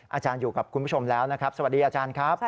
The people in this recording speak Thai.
อาจารย์อยู่กับคุณผู้ชมแล้วนะครับสวัสดีอาจารย์ครับ